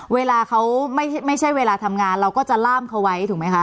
เวลาเขาไม่ใช่เวลาทำงานเราก็จะล่ามเขาไว้ถูกไหมคะ